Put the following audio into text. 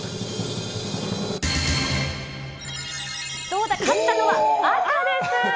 どうだ、勝ったのは赤です。